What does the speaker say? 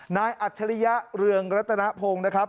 นายอัชริยะเรืองรัฐนาพงศ์นะครับ